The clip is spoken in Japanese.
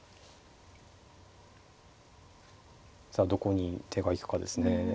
さあどこに手が行くかですね。